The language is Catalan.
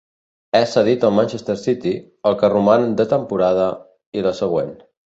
És cedit al Manchester City el que roman de temporada i la següent.